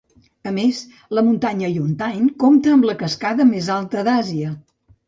A més, la muntanya Yuntain compta amb la cascada més alta d'Àsia.